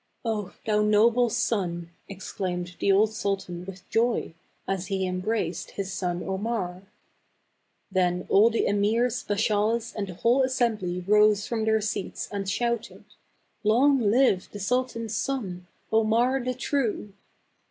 " 0, thou noble son !" exclaimed the old sultan with joy, as he embraced his son Omar. Then all the emirs, bashaws, and the whole assembly rose from their seats and shouted, " Long live the sultan's son, Omar the true